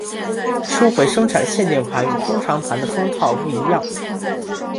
初回生产限定盘与通常盘的封套不一样。